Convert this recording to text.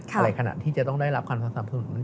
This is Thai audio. อะไรขนาดที่จะต้องได้รับความสนับสนุน